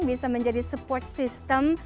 bisa menjadi support system